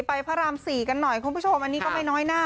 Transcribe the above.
พระราม๔กันหน่อยคุณผู้ชมอันนี้ก็ไม่น้อยหน้า